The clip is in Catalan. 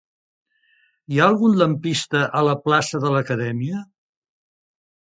Hi ha algun lampista a la plaça de l'Acadèmia?